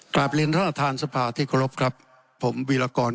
ตามอิเรนทธสภาทรที่ทรสภาครับผมวิลกอน